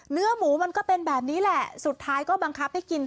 เนื้อหมูมันก็เป็นแบบนี้แหละสุดท้ายก็บังคับให้กิน